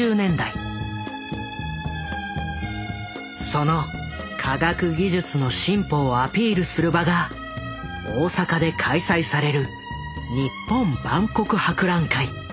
その科学技術の進歩をアピールする場が大阪で開催される日本万国博覧会。